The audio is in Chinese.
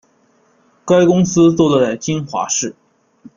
该公司坐落在金华市。